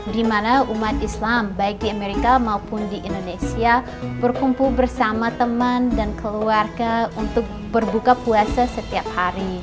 di mana umat islam baik di amerika maupun di indonesia berkumpul bersama teman dan keluarga untuk berbuka puasa setiap hari